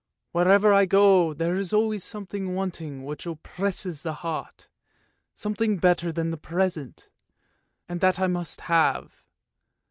Wherever I go there is always something wanting which oppresses the heart, something better than the present, and that I must have.